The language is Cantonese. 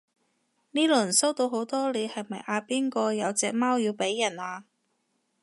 呢輪收到好多你係咪阿邊個有隻貓要俾人啊？